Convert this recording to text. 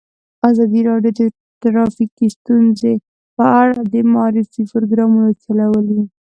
ازادي راډیو د ټرافیکي ستونزې په اړه د معارفې پروګرامونه چلولي.